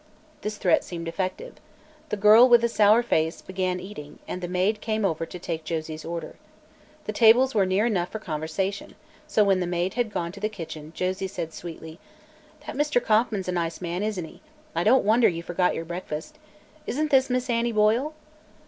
This threat seemed effective. The girl, with a sour face, began eating, and the maid came over to take Josie's order. The tables were near enough for conversation, so when the maid had gone to the kitchen Josie said sweetly: "That Mr. Kauffman's a nice man, isn't he? I don't wonder you forgot your breakfast. Isn't this Miss Annie Boyle?"